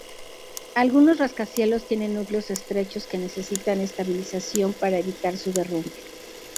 Algunos rascacielos tienen núcleos estrechos que necesitan estabilización para evitar su derrumbe.